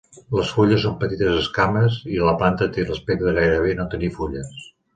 Les fulles són petites esquames i la planta té l'aspecte de gairebé no tenir fulles.